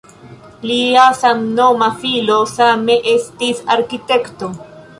Lia samnoma filo same estis arkitekto.